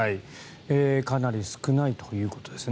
かなり少ないということですね。